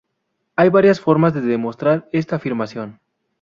Hay varias formas de demostrar esta afirmación.